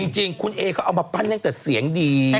จริงคุณเอก็เอามาปั้นตั้งแต่เสียงดี